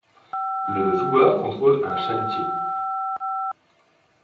Le joueur contrôle un chalutier.